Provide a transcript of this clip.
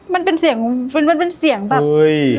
มันเป็นเสียงมันเป็นเสียงแบบเฮ้ย